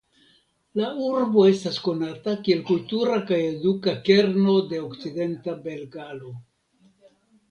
La urbo estas konata kiel kultura kaj eduka kerno de Okcidenta Bengalo.